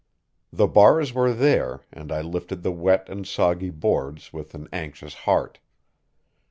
The bars were there, and I lifted the wet and soggy boards with an anxious heart.